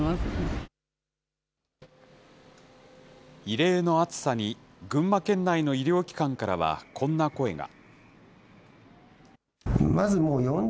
異例の暑さに、群馬県内の医療機関からはこんな声が。